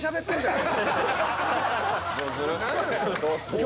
どうする？